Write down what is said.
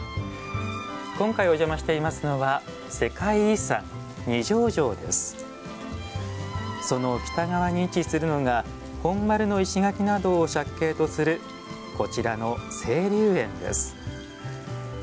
今回お邪魔していますのはその北側に位置するのが本丸の石垣などを借景とするこちらの清流園です。